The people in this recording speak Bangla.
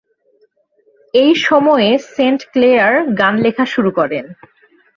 এই সময়ে সেন্ট ক্লেয়ার গান লেখা শুরু করেন।